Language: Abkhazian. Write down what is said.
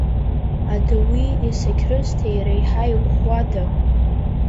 Адауи Есақьрысҭеи реиҳа иӷәӷәада?